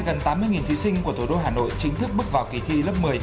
ngày hôm nay gần tám mươi thí sinh của thủ đô hà nội chính thức bước vào kỳ thi lớp một mươi